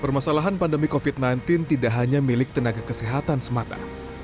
permasalahan pandemi covid sembilan belas tidak hanya milik tenaga kesehatan semata